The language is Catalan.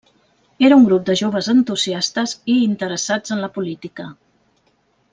Era un grup de joves entusiastes i interessats en la política.